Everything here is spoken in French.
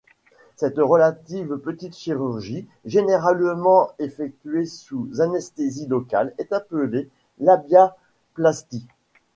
Cette relative petite chirurgie, généralement effectuée sous anesthésie locale, est appelée labiaplastie.